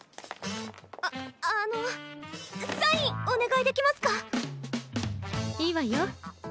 ああのサインお願いできますか⁉いいわよ。